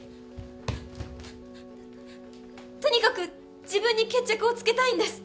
とにかく自分に決着をつけたいんです。